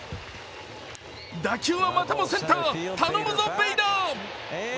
打球はまたもセンター頼むぞ、ベイダー！